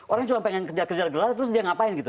orang cuma pengen kerja kerja gelar terus dia ngapain gitu